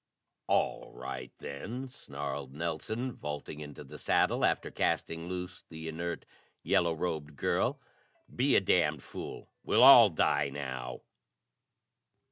"All right then," snarled Nelson, vaulting into the saddle after casting loose the inert, yellow robed girl. "Be a damned fool! We'll all die now."